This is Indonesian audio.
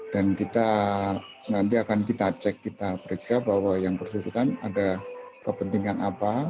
dan kita nanti akan kita cek kita periksa bahwa yang bersebut kan ada kepentingan apa